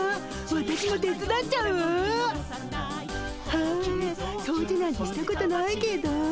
はあ掃除なんてしたことないけど。